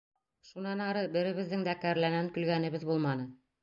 Шунан ары беребеҙҙең дә кәрләнән көлгәнебеҙ булманы.